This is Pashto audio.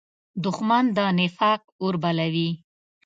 دښمن د نفاق اور بلوي